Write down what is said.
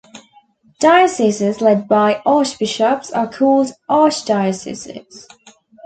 Dioceses led by archbishops are called archdioceses.